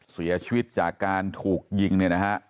เสียชีวิตจากการถูกยิงเนี่ยนะฮะ